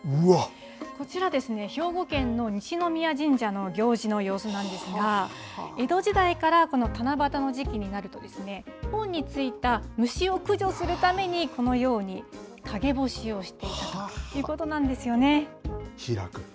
こちら、兵庫県の西宮神社の行事の様子なんですが、江戸時代からこの七夕の時期になると、本についた虫を駆除するためにこのように陰干しをしていたということなんですよね。